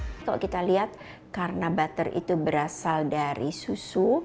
kalau kita lihat karena butter itu berasal dari susu